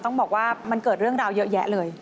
ต้องบอกว่ามันเกิดเรื่องราวเยอะแยะเลย